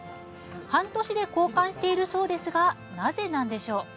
半年で交換しているそうですがなぜなんでしょう。